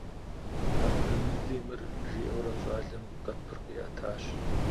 Абрэмыви мыр, - жиӏэурэ щӏалэм къэпыр къиӏэтащ.